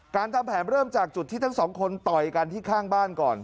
ทำแผนเริ่มจากจุดที่ทั้งสองคนต่อยกันที่ข้างบ้านก่อน